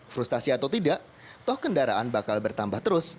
frustasi atau tidak toh kendaraan bakal bertambah terus